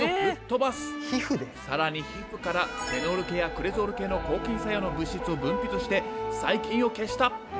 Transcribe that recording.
更に皮膚からフェノール系やクレゾール系の抗菌作用の物質を分泌して細菌を消した！